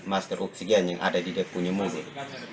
masker oksigen yang ada di depunya mulut